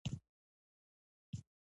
یو بل سره نښتي دي.